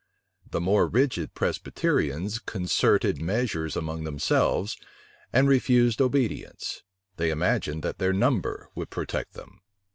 The more rigid Presbyterians concerted measures among themselves, and refused obedience: they imagined that their number would protect them.